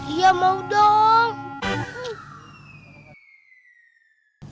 iya mau dong